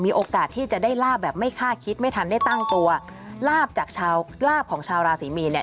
โอกาสที่จะได้ลาบแบบไม่คาดคิดไม่ทันได้ตั้งตัวลาบจากชาวลาบของชาวราศรีมีนเนี่ย